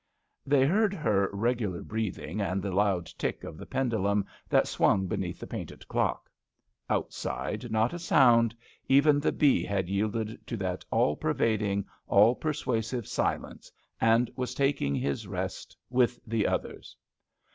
They heard her regular breath ing and the loud tick of the pendulum that swung beneath the painted clock ; outside, not a sound ; even the bee had yielded to that all pervading, all per suasive silence and was taking his rest with the others.